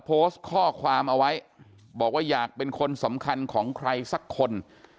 โพสต์ข้อความเอาไว้บอกว่าอยากเป็นคนสำคัญของใครสักคน